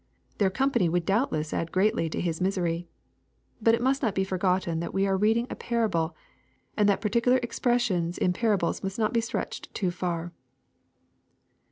Their company would doubtless add greatly to his misery. But it must not be forgotten that we are reading a parable, and that particular expressions in parables must no*t be stretched too far.